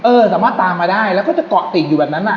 เออสามารถตามมาได้และก็จะเกาะตีอยู่อย่างนั้น